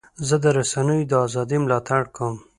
زه د رسنیو د ازادۍ ملاتړ کوم.